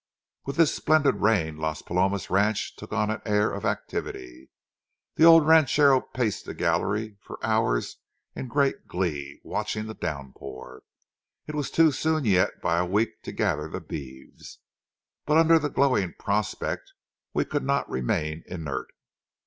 With this splendid rain, Las Palomas ranch took on an air of activity. The old ranchero paced the gallery for hours in great glee, watching the downpour. It was too soon yet by a week to gather the beeves. But under the glowing prospect, we could not remain inert.